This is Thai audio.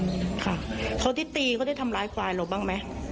ค่ะเพราะที่ตีก็ได้ทำร้ายควายหรือบ้างไหม